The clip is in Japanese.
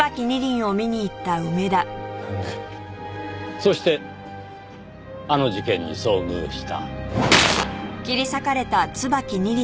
そしてあの事件に遭遇した。